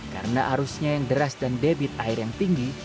karena arusnya yang deras dan debit air yang tinggi